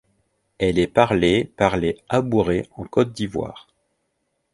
Elle est parlée par les Abourés en Côte d’Ivoire.